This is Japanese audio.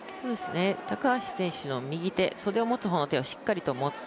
高橋選手の右手袖を持つ方の手をしっかり持つ。